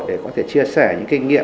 để có thể chia sẻ những kinh nghiệm